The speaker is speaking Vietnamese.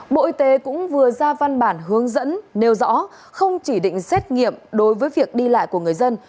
bộ y tế cũng vừa ra văn bản hướng dẫn nêu rõ không chỉ định xét nghiệm đối với việc đi lại của người dân